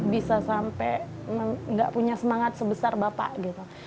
bisa sampai nggak punya semangat sebesar bapak gitu